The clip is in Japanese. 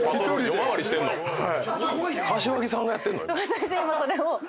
私今それを。